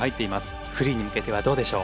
フリーに向けてはどうでしょう？